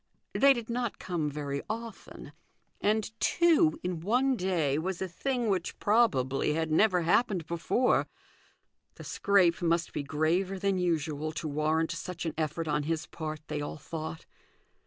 They did not come very often, and two in one day was a 280 THE GOLDEN RULE. thing which probably had never happened before : the scrape must be graver than usual to warrant such an effort on his part, they all thought.